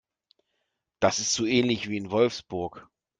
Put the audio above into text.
Das ist so ähnlich wie in Wolfsburg